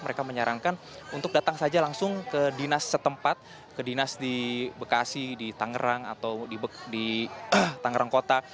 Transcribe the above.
mereka menyarankan untuk datang saja langsung ke dinas setempat ke dinas di bekasi di tangerang atau di tangerang kota